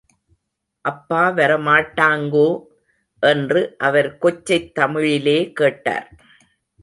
அப்பா வரமாட்டாங்கோ? என்று அவர் கொச்சைத் தமிழிலே கேட்டார்.